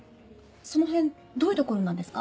その辺どういう所なんですか？